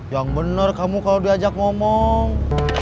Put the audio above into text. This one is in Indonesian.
yang bener kamu kalau diajak ngomong